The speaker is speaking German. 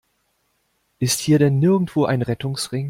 Ist hier denn nirgendwo ein Rettungsring?